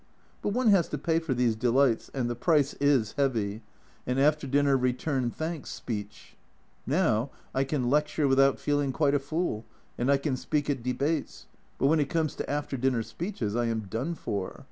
But one has to pay for these delights and the price is heavy an after dinner return thanks speech ! Now I can lecture without feeling quite a fool, and I can speak at Debates, but when it comes to after dinner speeches I am done for.